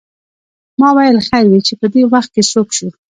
ما ویل خیر وې چې پدې وخت څوک شو.